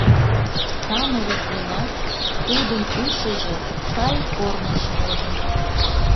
Самырык гынат, тудын ушыжо сай корныш возын.